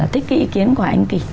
thích cái ý kiến của anh kỳ